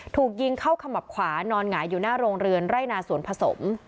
ถูกยิงเข้าขมับขวานอนหงายอยู่หน้าโรงเรือนไร่นาสวนผสม